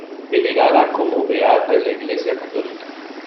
Venerada como beata en la Iglesia católica.